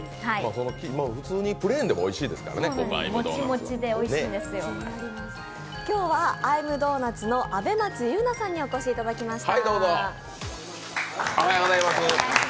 普通にプレーンでもおいしいですからね、ここＩ’ｍｄｏｎｕｔ？は。今日はＩ’ｍｄｏｎｕｔ？のあべ松優奈さんにお越しいただきました。